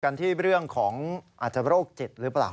กันที่เรื่องของอาจจะโรคจิตหรือเปล่า